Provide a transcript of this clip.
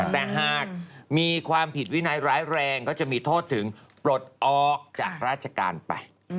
แต่หากมีความผิดวินัยร้ายแรงก็จะมีโทษถึงปลดออกจากราชการไป